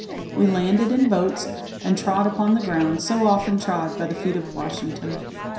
We landed in boats, and trod upon the ground so often trod by the feet of Washington.